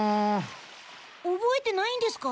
おぼえてないんですか？